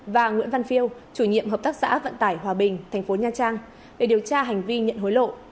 và nguyễn văn phiêu chủ nhiệm hợp tác xã vận tải hòa bình thành phố nha trang để điều tra hành vi nhận hối lộ